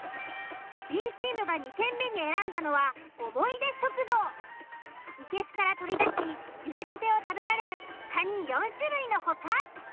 Ｂチームが２軒目に選んだのは生けすから取り出しゆでたてを食べられるカニ４種類の他